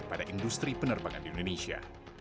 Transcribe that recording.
pada industri penerbangan di indonesia